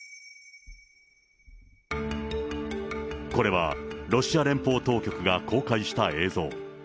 これは、ロシア連邦当局が公開した映像。